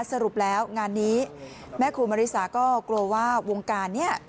สรุปแล้วงานนี้แม่ครูมริสาก็กลัวว่าวงการเนี่ย